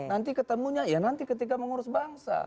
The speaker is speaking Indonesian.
nanti ketemunya ya nanti ketika mengurus bangsa